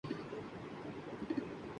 نہ چھین لذت آہ سحرگہی مجھ سے